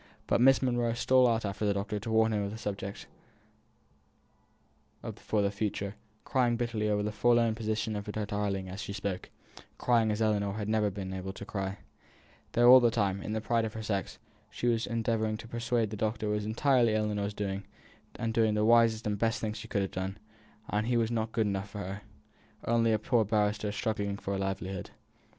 But Miss Monro stole out after the doctor to warn him off the subject for the future, crying bitterly over the forlorn position of her darling as she spoke crying as Ellinor had never yet been able to cry: though all the time, in the pride of her sex, she was as endeavouring to persuade the doctor it was entirely Ellinor's doing, and the wisest and best thing she could have done, as he was not good enough for her, only a poor barrister struggling for a livelihood.